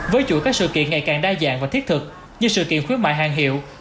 với chuỗi các sự kiện ngày càng đa dạng và thiết thực như sự kiện khuyến mại hàng hiệu